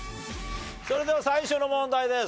それでは最初の問題です。